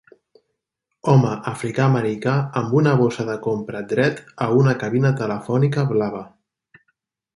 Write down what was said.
Home Africà-Americà amb una bossa de compra dret a una cabina telefònica blava.